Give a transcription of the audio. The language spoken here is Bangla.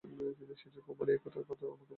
কিন্তু, সে যে কুমারী এ কথা আমাকে এ বলিল।